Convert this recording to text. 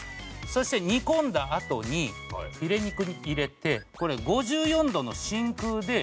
そして煮込んだあとにフィレ肉に入れてこれ５４度の真空で湯煎すると。